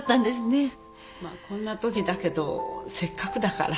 まっこんなときだけどせっかくだから。